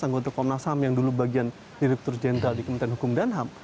anggota komnas ham yang dulu bagian direktur jenderal di kementerian hukum dan ham